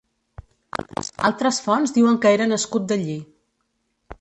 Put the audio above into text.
Altres fonts diuen que era nascut d'allí.